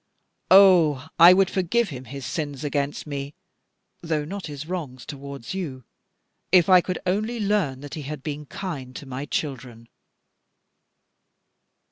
Ah, I would forgive him his sins against me, though not his wrongs towards you, if I could only learn that he had been kind to my children."